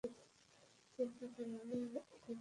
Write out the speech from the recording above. চিন্তা কোরো না, এটা জলদিই থেমে যাবে।